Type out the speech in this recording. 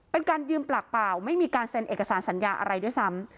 เป็นการยืมปากเปล่าไม่มีการเซ็นเอกสารสัญญาอะไรด้วยซ้ำ